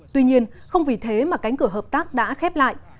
tuy nhiên không vì thế mà cánh cửa hợp tác đã khép lại